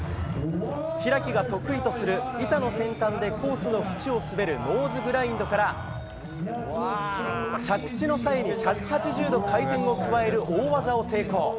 開が得意とする板の先端でコースの縁を滑るノーズから着地の際に１８０度回転を加える大技を成功。